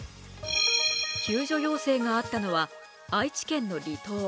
救助要請があったのは愛知県の離島。